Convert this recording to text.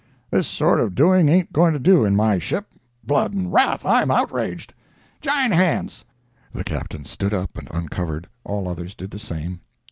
This sort of doing ain't going to do in my ship—blood and wrath, I'm outraged! Jine hands." [The Captain stood up and uncovered—all others did the same.